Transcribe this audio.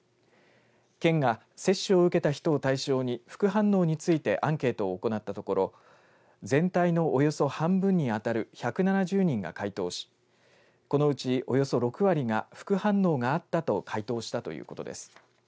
県が接種を受けた人を対象に副反応についてアンケートを行ったところ全体のおよそ半分にあたる１７０人が回答しこのうち、およそ６割が副反応があったと回答したということです。